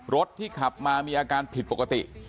รถที่ขับมามีอาการผิดปกติ